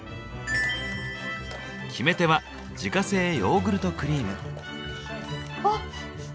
決め手は自家製ヨーグルトクリーム。